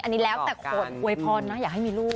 อันนี้แล้วแต่ขออวยพรนะอยากให้มีลูก